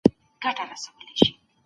يــې مــا كــلــــه څـــه ويــلـــــي